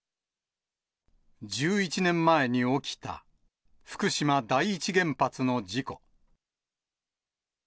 １１年前に起きた福島第一原発の事故。